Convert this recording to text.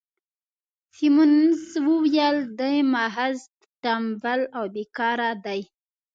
سیمونز وویل: دی محض ټمبل او بې کاره دی.